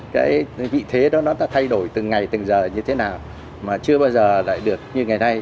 cái vị thế đó nó đã thay đổi từng ngày từng giờ như thế nào mà chưa bao giờ lại được như ngày nay